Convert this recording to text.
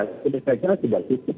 sudah saya kira sudah cukup